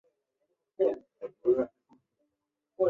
海心庙则迁到区内落山道一带。